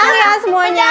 tenang ya semuanya